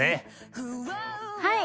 はい！